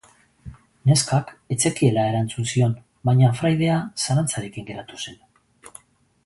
Neskak ez zekiela erantzun zion, baina fraidea zalantzarekin geratu zen.